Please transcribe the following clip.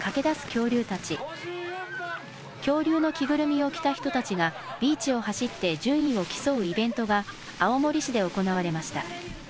恐竜の着ぐるみを着た人たちがビーチを走って順位を競うイベントが青森市で行われました。